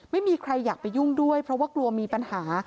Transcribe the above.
ไม่มีใครอยากไปยุ่งด้วยเพราะว่ากลัวมีปัญหา